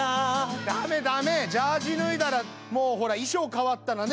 駄目駄目ジャージ脱いだらもうほら衣装変わったらねえ。